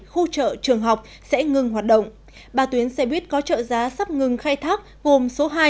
khu chợ trường học sẽ ngừng hoạt động ba tuyến xe buýt có trợ giá sắp ngừng khai thác gồm số hai